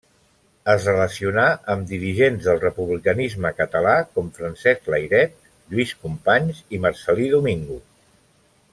Es relacionà amb dirigents del republicanisme català com Francesc Layret, Lluís Companys i Marcel·lí Domingo.